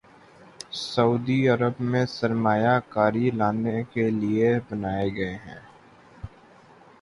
سعودی Arab میں سرمایہ کاری لانے کے لیے بنائے گئے